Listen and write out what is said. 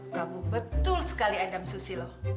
kamu betul sekali andam susilo